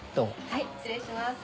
はい失礼します。